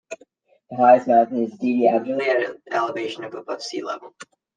The highest mountain is Didi Abuli at an elevation of above sea level.